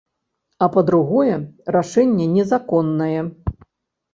А па-другое, рашэнне незаконнае.